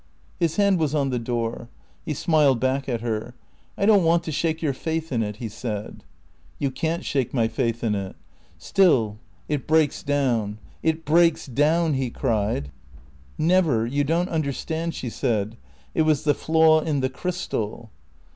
His hand was on the door. He smiled back at her. "I don't want to shake your faith in it," he said. "You can't shake my faith in It." "Still it breaks down. It breaks down," he cried. "Never. You don't understand," she said. "It was the flaw in the crystal."